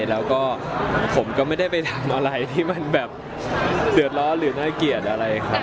แล้วก็ผมก็ไม่ได้ไปทำอะไรที่มันแบบเดือดร้อนหรือน่าเกลียดอะไรครับ